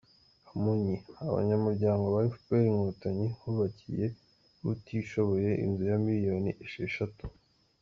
Kamonyi: Abanyamuryango ba efuperi Inkotanyi bubakiye utishoboye inzu ya miliyoni esheshatu